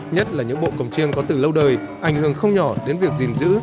nhất là những bộ cồng chiêng có từ lâu đời ảnh hưởng không nhỏ đến việc gìn giữ